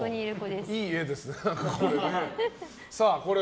いい絵ですね、これ。